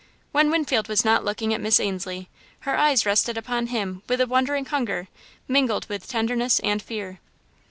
When Winfield was not looking at Miss Ainslie, her eyes rested upon him with a wondering hunger, mingled with tenderness and fear.